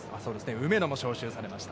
梅野も招集されました。